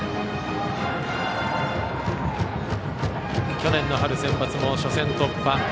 去年の春センバツも初戦突破。